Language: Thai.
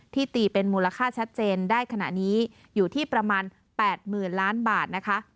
ตีเป็นมูลค่าชัดเจนได้ขณะนี้อยู่ที่ประมาณ๘๐๐๐ล้านบาทนะคะ